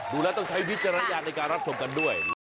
ดูแล้วต้องใช้วิจารณญาณในการรับชมกันด้วย